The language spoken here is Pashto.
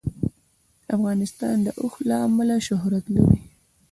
افغانستان د اوښ له امله شهرت لري.